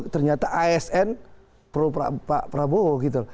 ternyata asn pak prabowo